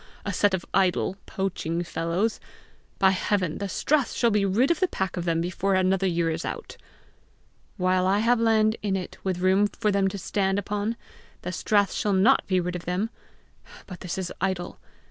A set of idle, poaching fellows! By heaven, the strath shall be rid of the pack of them before another year is out!" "While I have land in it with room for them to stand upon, the strath shall not be rid of them! But this is idle!